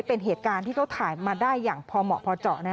เป็นเหตุการณ์ที่เขาถ่ายมาได้อย่างพอเหมาะพอเจาะ